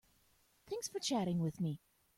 Thanks for chatting with me.